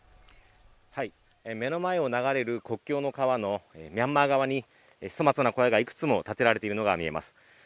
目の前を流れる国境の川のミャンマー側に粗末な小屋がいくつも建てられているのが見えます